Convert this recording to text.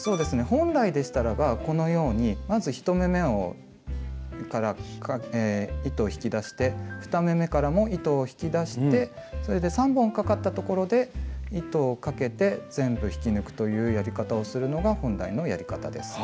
本来でしたらばこのようにまず１目めを糸を引き出して２目めからも糸を引き出してそれで３本かかったところで糸をかけて全部引き抜くというやり方をするのが本来のやり方です。